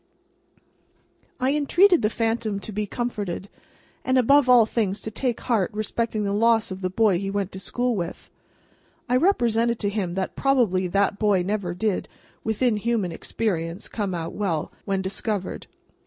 I entreated the phantom to be comforted, and above all things to take heart respecting the loss of the boy he went to school with. I represented to him that probably that boy never did, within human experience, come out well, when discovered.